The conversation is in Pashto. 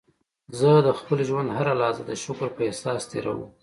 زه د خپل ژوند هره لحظه د شکر په احساس تېرووم.